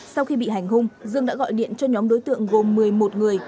sau khi bị hành hung dương đã gọi điện cho nhóm đối tượng gồm một mươi một người